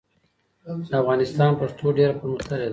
د افغانستان پښتو ډېره پرمختللې ده.